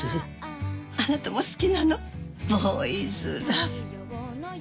あなたも好きなの？